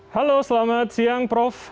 halo selamat siang prof